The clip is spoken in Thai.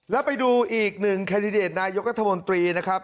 แล้วไปดูอีกหนึ่งแคนดิเดตนายกรัฐมนตรีนะครับ